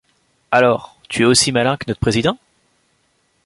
Alors, tu es aussi malin que notre président?